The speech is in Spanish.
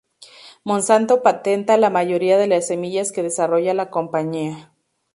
Monsanto patenta la mayoría de las semillas que desarrolla la compañía.